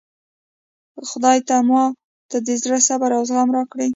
خدایه ته ماته د زړه صبر او زغم راکړي